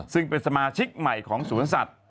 ซึ่งเป็นสมาชิกใหม่ของสวนสัตว